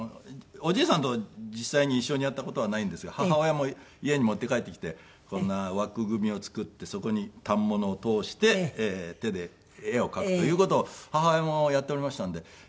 おじいさんと実際に一緒にやった事はないんですが母親も家に持って帰ってきてこんな枠組みを作ってそこに反物を通して手で絵を描くという事を母親もやっておりましたので。